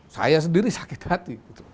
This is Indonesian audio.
saya sendiri sakit hati